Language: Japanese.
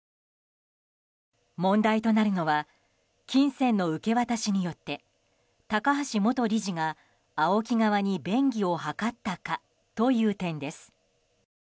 問題となるのは金銭の受け渡しによって高橋元理事がＡＯＫＩ側に便宜を図ったかという点です。